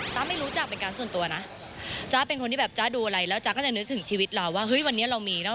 ฉันไม่รู้จักเป็นการส่วนตัวนะแล้วก็เสียงแค่นึกถึงในชีวิตว่าอร่อยแล้ว